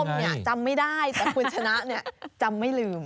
คุณผู้ชมเนี่ยจำไม่ได้แต่คุณชนะเนี่ยจำไม่ลืม